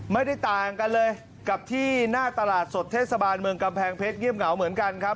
ไม่ได้ต่างกันเลยกับที่หน้าตลาดสดเทศบาลเมืองกำแพงเพชรเงียบเหงาเหมือนกันครับ